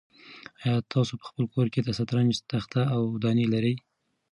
آیا تاسو په خپل کور کې د شطرنج تخته او دانې لرئ؟